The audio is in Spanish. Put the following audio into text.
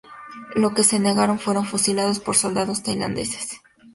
Los que se negaron fueron fusilados por soldados tailandeses.